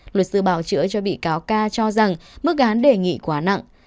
luật sư bảo chữa cho bị cáo ca cho rằng mức án đề nghị quá nặng